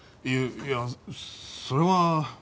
いいやそれは。